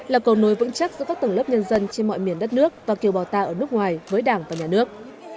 là cầu nối vững chắc giữa các tầng lớp nhân dân trên mọi miền đất nước và kiều bào ta ở nước ngoài với đảng và nhà nước